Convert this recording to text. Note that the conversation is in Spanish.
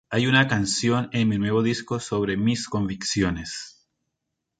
Hay una canción en mi nuevo disco sobre mis convicciones.